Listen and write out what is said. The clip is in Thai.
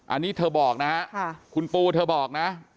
อันนี้เธอบอกนะฮะคุณปูเธอบอกนะ